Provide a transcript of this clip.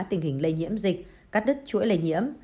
tình hình lây nhiễm dịch cắt đứt chuỗi lây nhiễm